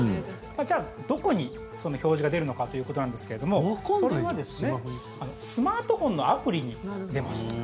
じゃあどこにその表示が出るのかということなんですけれどもそれはスマートフォンのアプリに出ます。